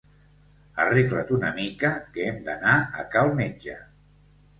Arregla't una mica, que hem d'anar a cal metge.